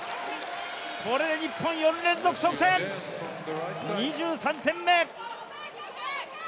これで日本４連続得点、２３点目。